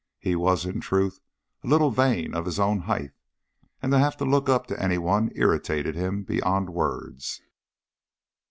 He was, in truth, a little vain of his own height, and to have to look up to anyone irritated him beyond words.